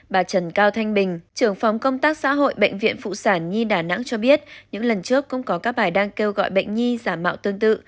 bà trần cao thanh bình trưởng phòng công tác xã hội bệnh viện phụ sản nhi đà nẵng cho biết những lần trước cũng có các bài đang kêu gọi bệnh nhi giả mạo tương tự